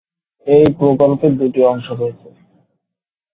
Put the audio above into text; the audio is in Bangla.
এই প্রকল্পের দুটি অংশ রয়েছে।